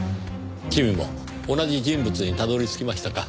君も同じ人物にたどり着きましたか。